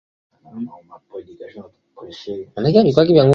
Kifo hutokea kati ya siku baada ya mnyama kuanguka